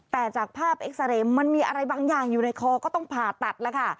แต่จากภาพเอ็กซาเรย์มันมีอะไรบางอย่างอยู่ในคอก็ต้องผ่าตัดแล้วค่ะ